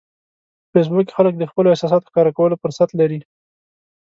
په فېسبوک کې خلک د خپلو احساساتو ښکاره کولو فرصت لري